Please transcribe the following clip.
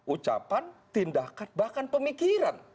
ucapan tindakan bahkan pemikiran